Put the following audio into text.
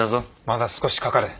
まだ少しかかる。